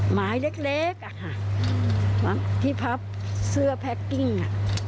หมายเล็กเล็กอะค่ะที่พับเสื้อแพ็กกิ้งอ่ะ